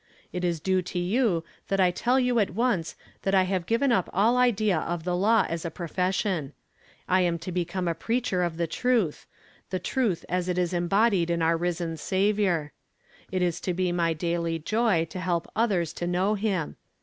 It is due to you that I tell you at once that I have given up all idea of the law as a profession. I am to become a preacher of the truth, — the truth as it is embodied in our risen Saviour. It is to be my daily joy to help others to know him.